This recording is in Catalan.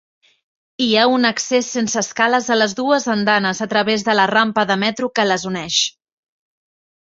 Hi ha un accés sense escales a les dues andanes a través de la rampa de metro que les uneix.